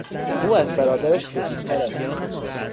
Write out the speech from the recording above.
او از برادرش سفیدتر است.